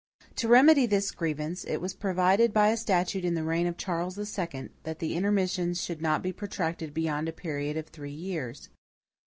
To remedy this grievance, it was provided by a statute in the reign of Charles II, that the intermissions should not be protracted beyond a period of three years.